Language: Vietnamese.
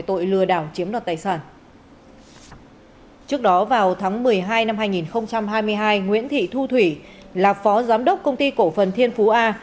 trước đó vào tháng một mươi hai năm hai nghìn hai mươi hai nguyễn thị thu thủy là phó giám đốc công ty cổ phần thiên phú a